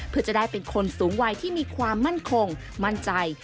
เพื่อจะได้เป็นคนสูงวัยที่มีความมั่นคงมั่นใจ